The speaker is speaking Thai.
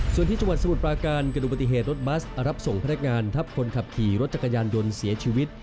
ส่วนที่จังหวัดสมุทรปราการเกิดอุบัติเหตุรถบัสรับส่งพนักงานทับคนขับขี่รถจักรยานยนต์เสียชีวิต